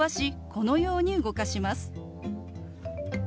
このように動かします。